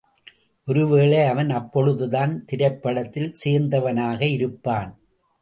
ஒரு வேளை அவன் அப்பொழுதுதான் திரைப்படத்தில் சேர்ந்தவனாக இருப்பான்.